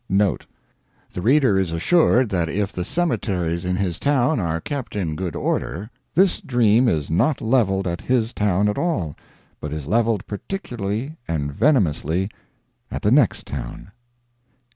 NOTE. The reader is assured that if the cemeteries in his town are kept in good order, this Dream is not leveled at his town at all, but is leveled particularly and venomously at the NEXT town.